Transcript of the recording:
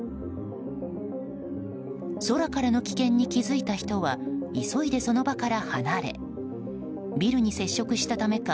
空からの危険に気付いた人は急いでその場から離れビルに接触したためか